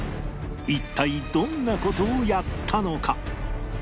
一体どんな事をやったのか？